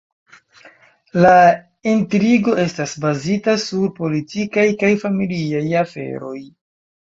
La intrigo estas bazita sur politikaj kaj familiaj aferoj.